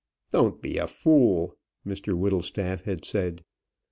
"Don't be a fool," Mr Whittlestaff had said.